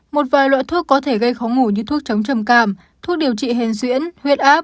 một vài loại thuốc có thể gây khó ngủ như thuốc chống trầm cảm thuốc điều trị hèn xuyễn huyết áp